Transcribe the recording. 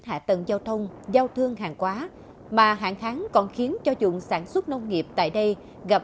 hạ tầng giao thông giao thương hàng quá mà hạn kháng còn khiến cho dụng sản xuất nông nghiệp tại đây gặp